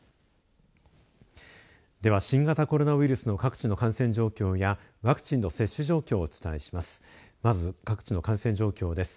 では新型コロナウイルスの各地の感染状況やワクチンの接種状況をお伝えします。